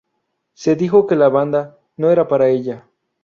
Se dijo que la banda "no era para ella".